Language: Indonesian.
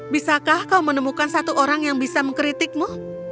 bisakah kau menemukan satu orang yang bisa mengkritikmu